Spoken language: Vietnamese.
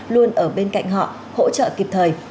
luôn ở bên cạnh họ hỗ trợ kịp thời